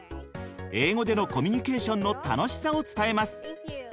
英語でのコミュニケーションの楽しさを伝えます。